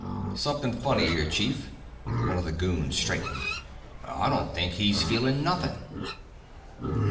"Something funny here, chief." One of the goons straightened. "I don't think he's feeling nothing."